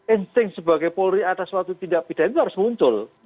insting sebagai polri atas suatu tindak pidana itu harus muncul